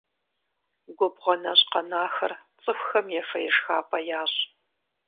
Губгъуэ нэщӏ къэнахэр цӏыхухэм ефэ-ешхапӏэ ящӏ.